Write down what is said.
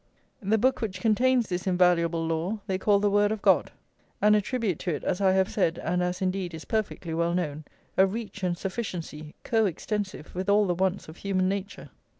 The book which contains this invaluable law they call the Word of God, and attribute to it, as I have said, and as, indeed, is perfectly well known, a reach and sufficiency co extensive with all the wants of human nature.